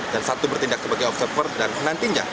dan satu bertindak sebagai observer dan nantinya